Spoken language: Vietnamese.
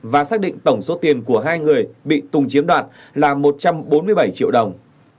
và xác định tổng số tiền của hai người bị tùng chiếm đoạt là một trăm bốn mươi bảy triệu đồng